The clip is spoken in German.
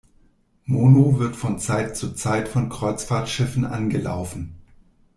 Mono wird von Zeit zu Zeit von Kreuzfahrtschiffen angelaufen.